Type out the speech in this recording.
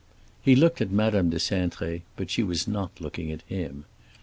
He looked at Madame de Cintré, but she was not looking at him.